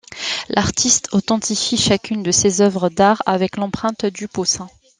L'artiste authentifie chacune de ses œuvres d'art avec l'empreinte du pouce.